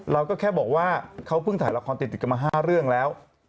เราก็แค่บอกว่าเขาเพิ่งถ่ายละครติดกันมา๕เรื่องแล้ว